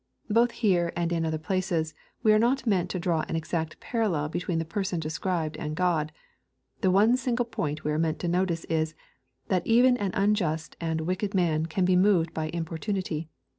Both here, and in other places, we are not meant to draw an exact parallel between the person described and God. The one single point we are meant to notice is, that even an unjust and wicked man can be moved by importunity.